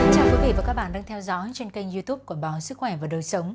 chào quý vị và các bạn đang theo dõi trên kênh youtube của báo sức khỏe và đời sống